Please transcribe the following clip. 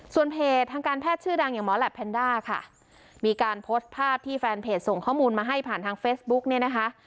ส่วนเพจทางการแพทย์ชื่อดังอย่างหมอแหลปแพนด้าค่ะมีการโพสต์ภาพที่แฟนเพจส่งข้อมูลมาให้ผ่านทางเฟซบุ๊กเนี่ยนะคะ